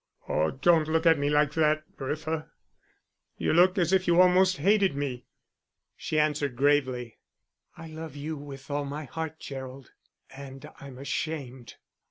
"Oh, don't look at me like that, Bertha. You look as if you almost hated me." She answered gravely, "I love you with all my heart, Gerald; and I'm ashamed."